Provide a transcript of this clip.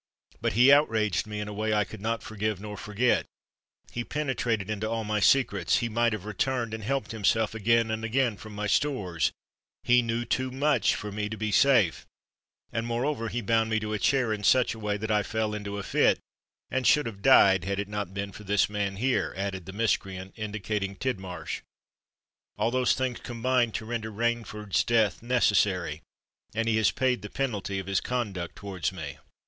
"But he outraged me in a way I could not forgive nor forget—he penetrated into all my secrets—he might have returned and helped himself again and again from my stores—he knew too much for me to be safe—and moreover he bound me to a chair in such a way that I fell into a fit, and should have died had it not been for this man here," added the miscreant, indicating Tidmarsh. "All those things combined to render Rainford's death necessary—and he has paid the penalty of his conduct towards me."